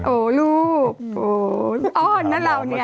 โอ้ลูกอ้อนนะเราเนี่ย